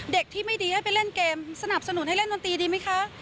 เด็กที่ไม่ดีให้ไปเล่นเกมสนับสนุนให้เล่นดนตรีดีไหมคะ